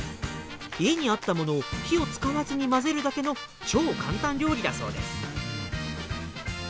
家にあったものを火を使わずに混ぜるだけの超簡単料理だそうです。